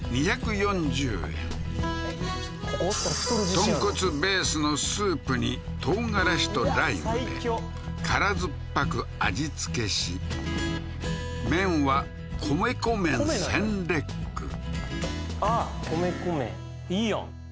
豚骨ベースのスープに唐辛子とライムで辛酸っぱく味つけし麺は米粉麺センレックあっ米粉麺いいやん